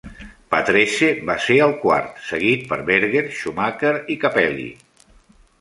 Patrese va ser el quart, seguit per Berger, Schumacher i Capelli.